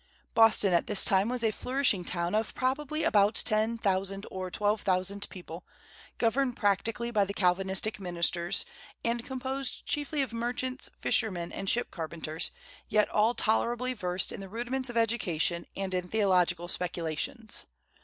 Boston at this time was a flourishing town of probably about ten thousand or twelve thousand people, governed practically by the Calvinistic ministers, and composed chiefly of merchants, fishermen, and ship carpenters, yet all tolerably versed in the rudiments of education and in theological speculations.